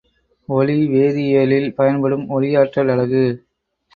ஒளி வேதி இயலில் பயன்படும் ஒளியாற்றல் அலகு.